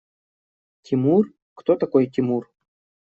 Тимур? Кто такой Тимур?